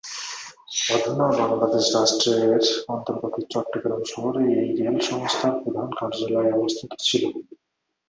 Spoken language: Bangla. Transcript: অধুনা বাংলাদেশ রাষ্ট্রের অন্তর্গত চট্টগ্রাম শহরে এই রেল সংস্থার প্রধান কার্যালয় অবস্থিত ছিল।